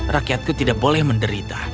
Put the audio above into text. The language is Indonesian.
rakyatku tidak boleh menderita